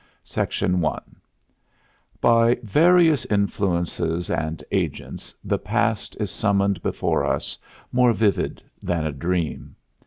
I By various influences and agents the Past is summoned before us, more vivid than a dream.